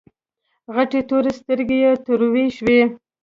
غټې تورې سترګې يې تروې شوې.